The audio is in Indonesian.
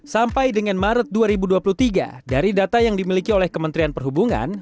sampai dengan maret dua ribu dua puluh tiga dari data yang dimiliki oleh kementerian perhubungan